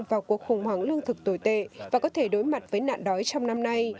vào cuộc khủng hoảng lương thực tồi tệ và có thể đối mặt với nạn đói trong năm nay